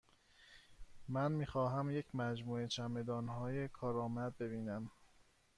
من می خواهم یک مجموعه چمدانهای کارآمد ببینم.